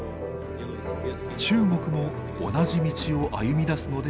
中国も同じ道を歩みだすのではないか。